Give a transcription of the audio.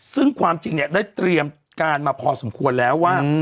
ซึ่งความจริงเนี่ยได้เตรียมการมาพอสมควรแล้วว่า